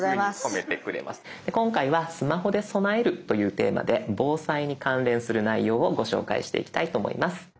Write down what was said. で今回はスマホで備えるというテーマで防災に関連する内容をご紹介していきたいと思います。